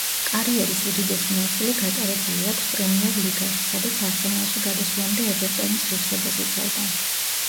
კარიერის უდიდესი ნაწილი გატარებული აქვს პრემიერ ლიგაში, სადაც არსენალში გადასვლამდე ევერტონის ღირსებას იცავდა.